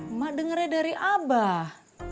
emak dengernya dari abah